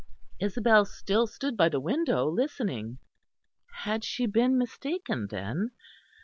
Isabel still stood by the window listening. Had she been mistaken then?